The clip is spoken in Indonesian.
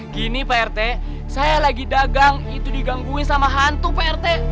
gini pak rt saya lagi dagang itu digangguin sama hantu pak rt